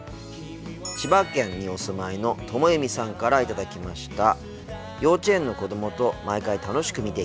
千葉県にお住まいのともゆみさんから頂きました。